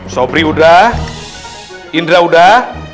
sobri udah indra udah